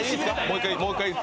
もう１回。